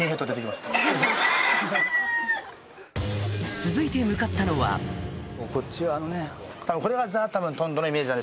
続いて向かったのはこっちはあのね多分。